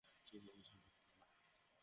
তোকে আবার ঝুলাবো আমি!